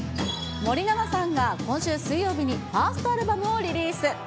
森七菜さんが、今週水曜日にファーストアルバムをリリース。